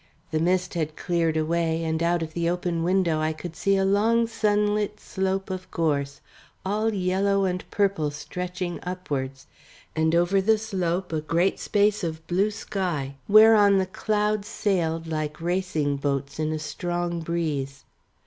The mist had cleared away, and out of the open window I could see a long sunlit slope of gorse all yellow and purple stretching upwards, and over the slope a great space of blue sky whereon the clouds sailed like racing boats in a strong breeze.